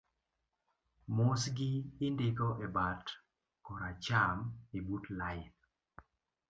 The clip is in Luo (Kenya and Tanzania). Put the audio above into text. mosgi indiko e bat koracham ebut lain